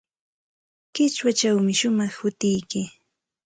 Qichwachawmi shumaq hutiyki.